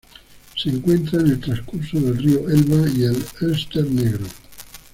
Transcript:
Se encuentra en el transcurso del río Elba y el Elster Negro.